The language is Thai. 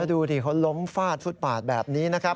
ดูดิเขาล้มฟาดฟุตปาดแบบนี้นะครับ